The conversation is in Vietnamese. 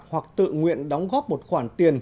hoặc tự nguyện đóng góp một khoản tiền